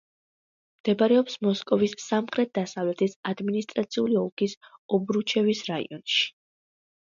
მდებარეობს მოსკოვის სამხრეთ-დასავლეთის ადმინისტრაციული ოლქის ობრუჩევის რაიონში.